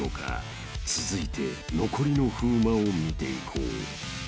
［続いて残りの風磨を見ていこう］